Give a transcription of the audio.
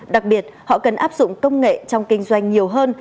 đặc biệt họ cần áp dụng công nghệ trong kinh doanh nhiều hơn